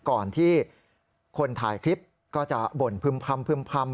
ก่อนที่คนถ่ายคลิปก็จะบ่นพึ่มพร่ำพึ่มพร่ำ